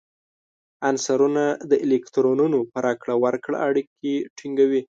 عنصرونه د الکترونونو په راکړه ورکړه اړیکې ټینګوي.